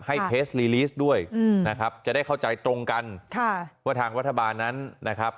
เทสลีลีสด้วยนะครับจะได้เข้าใจตรงกันค่ะว่าทางรัฐบาลนั้นนะครับ